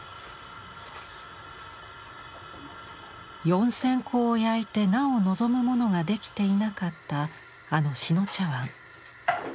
４，０００個を焼いてなお望むものができていなかったあの志野茶碗。